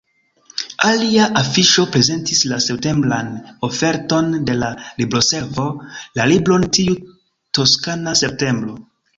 Alia afiŝo prezentis la septembran oferton de la Libroservo, la libron Tiu toskana septembro.